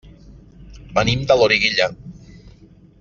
Venim de Loriguilla.